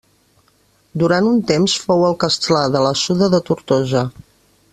Durant un temps fou el castlà de la Suda de Tortosa.